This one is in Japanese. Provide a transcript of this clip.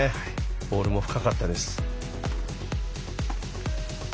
ボールも深かったです。